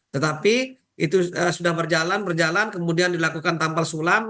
tetapi itu sudah berjalan berjalan kemudian dilakukan tampal sulam